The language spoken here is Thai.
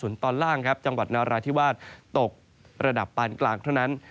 ส่วนตอนล่างครับจังหวัดนาราธิวาสตกระดับปานกลางเท่านั้น